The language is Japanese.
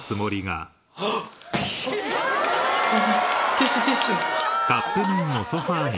ティッシュティッシュ。